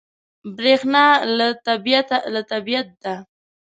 برېښنا له طبیعت ده.